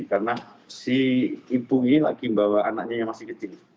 karena si ibu ini lagi membawa anaknya yang masih kecil